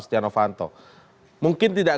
setia novanto mungkin tidak